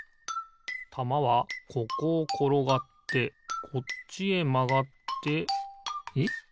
たまはここをころがってこっちへまがってえっ？